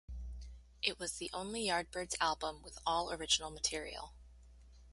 It was the only Yardbirds album with all original material.